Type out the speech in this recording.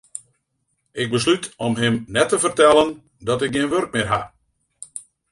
Ik beslút om him net te fertellen dat ik gjin wurk mear ha.